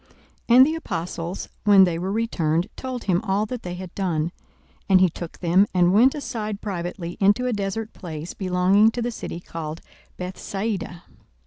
42:009:010 And the apostles, when they were returned, told him all that they had done. And he took them, and went aside privately into a desert place belonging to the city called Bethsaida.